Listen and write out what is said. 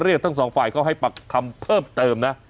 ทั้งสองฝ่ายเขาให้ปักคำเพิ่มเติมนะ